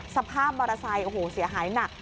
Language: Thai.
สภาพมอเตอร์ไซค์โอ้โหเสียหายหนัก